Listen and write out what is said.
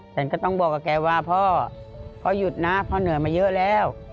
ฉันก็ต้องบอกกับแกว่าพ่อพ่อหยุดนะพ่อเหนื่อยมาเยอะแล้ว